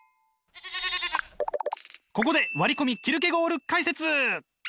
ここで割り込みキルケゴール解説！